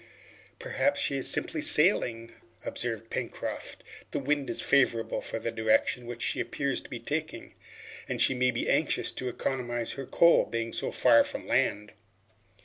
"Perhaps she is simply sailing," observed Pencroft. "The wind is favorable for the direction which she appears to be taking, and she may be anxious to economize her coal, being so far from land."